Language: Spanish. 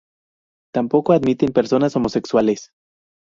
Tampoco admiten personas homosexuales.